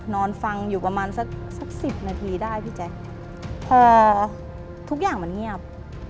นอนฟังอยู่ประมาณสักสิบนาทีได้พี่แจ๊คพอทุกอย่างมันเงียบ